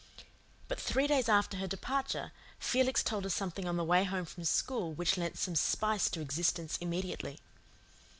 But three days after her departure Felix told us something on the way home from school which lent some spice to existence immediately.